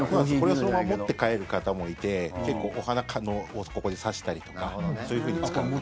これをそのまま持って帰る方もいて結構お花、ここに挿したりとかそういうふうに使ったり。